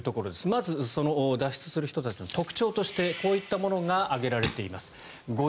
まず、脱出する人たちの特徴としてこういったものが挙げられています。